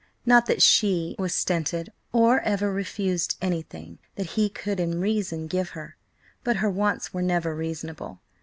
Not that she was stinted, or ever refused anything that he could in reason give her; but her wants were never reasonable.